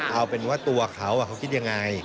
เอาเป็นว่าตัวเขาเขาคิดยังไง